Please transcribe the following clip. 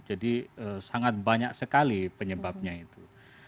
jadi sangat banyak sekali penyebabnya itu